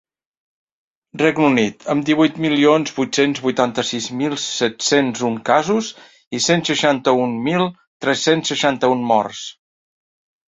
Regne Unit, amb divuit milions vuit-cents vuitanta-sis mil set-cents un casos i cent seixanta-un mil tres-cents seixanta-un morts.